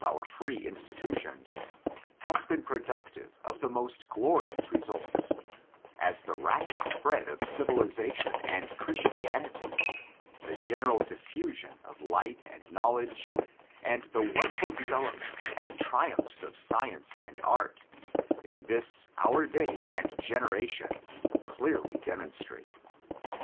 our free institutions, has been productive of the most glorious results — as the rapid spread of civilization and Christianity, the general diffusion of light and knowledge, and the wonderful developments and triumphs of science and art, in this our day and generation, clearly demon strate.